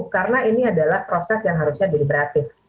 karena ini adalah proses yang harusnya deliberatif